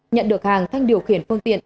nhận được hàng thanh điều khiển phương tiện